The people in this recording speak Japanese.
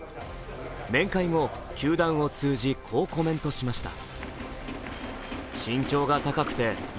面会後、球団を通じこうコメントしました。